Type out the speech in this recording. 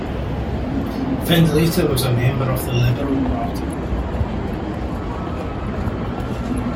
Findlater was a member of the Liberal Party.